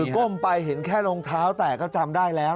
คุณแม่ก้มไปเห็นแค่ลงเท้าแตกก็จำได้แล้วนะ